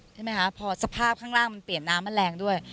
ใช่ไหมคะพอสภาพข้างล่างมันเปลี่ยนน้ำมันแรงด้วย